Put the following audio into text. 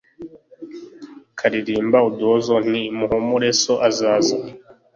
nkalirimba uduhozo nti : muhumure so azaza